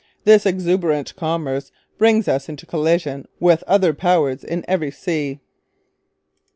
This exuberant commerce brings us into collision with other Powers in every sea.